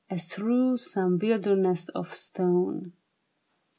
As through some wilderness of stone.